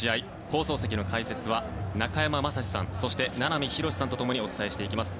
放送席の解説は中山雅史さんそして、名波浩さんと共にお伝えしていきます。